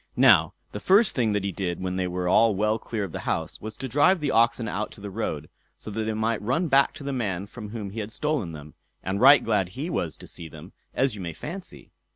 Now, the first thing that he did when they were all well clear of the house, was to drive the oxen out to the road, so that they might run back to the man from whom he had stolen them; and right glad he was to see them, as you may fancy.